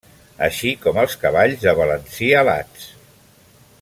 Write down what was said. Així com els cavalls de balancí alats.